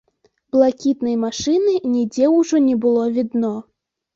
Блакітнай машыны нідзе ўжо не было відно.